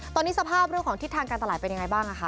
ตอนนี้สภาพเรื่องของทิศทางการตลาดเป็นยังไงบ้างคะ